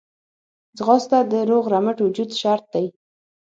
ځغاسته د روغ رمټ وجود شرط دی